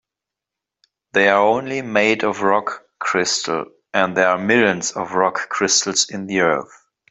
They're only made of rock crystal, and there are millions of rock crystals in the earth.